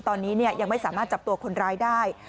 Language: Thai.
ตอนนี้ยังไม่สามารถจับตัวคนร้ายได้